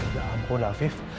ya ampun afif